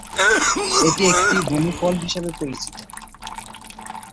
এটি একটি বুনো ফল হিসেবে পরিচিত।